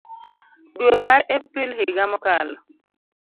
dwe mar April higa mokalo.